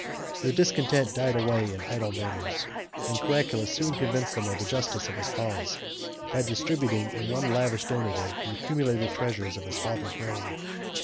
Their discontent died away in idle murmurs, and Caracalla soon convinced them of the justice of his cause, by distributing in one lavish donative the accumulated treasures of his father's reign.